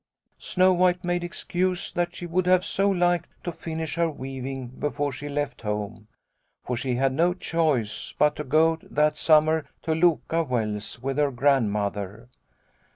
' Snow White made excuse that she would so have liked to finish her weaving before she left home. For she had no choice but to go that summer to Loka Wells with her Grandmother.